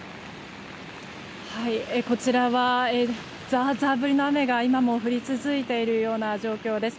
こちらはザーザー降りの雨が降り続いている状況です。